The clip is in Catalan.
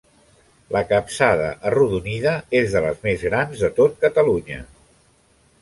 La capçada, arrodonida, és de les més grans de tot Catalunya.